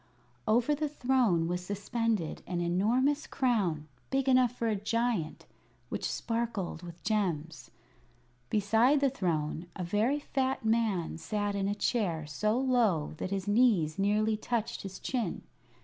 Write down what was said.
Over the throne was suspended an enormous crown big enough for a giant which sparkled with gems. Beside the throne a very fat man sat in a chair so low that his knees nearly touched his chin.